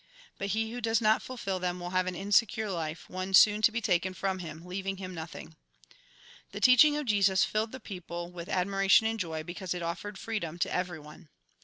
But he who does not fulfil them will have an insecure life ; one soon to be taken from him, leaving him nothing." The teaching of Jesus filled the people with A RECAPITULATION 179 admiration and joy, because it offered freedom to everyone.